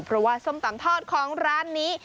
เพราะว่าส้มตำทอดของร้านนี้